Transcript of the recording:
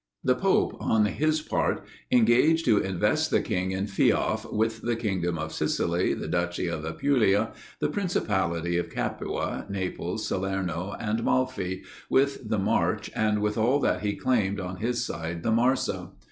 The pope, on his part, engaged to invest the king in feoff with the kingdom of Sicily, the duchy of Apulia, the principality of Capua, Naples, Salerno, and Malfi, with the March and with all that he claimed on this side the Marsa.